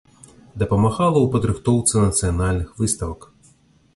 Дапамагала ў падрыхтоўцы нацыянальных выставак.